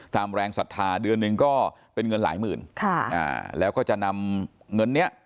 แรงศรัทธาเดือนหนึ่งก็เป็นเงินหลายหมื่นค่ะอ่าแล้วก็จะนำเงินเนี้ย